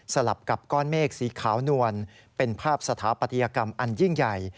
ลับกับก้อนเมฆสีขาวนวลเป็นภาพสถาปัตยกรรมอันยิ่งใหญ่